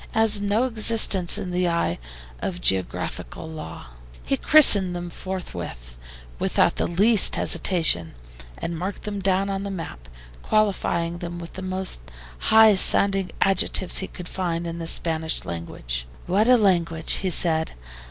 It has no existence in the eye of geographical law." He christened them forthwith, without the least hesitation, and marked them down on the map, qualifying them with the most high sounding adjectives he could find in the Spanish language. "What a language!" he said.